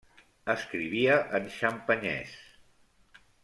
Escrivia en xampanyès.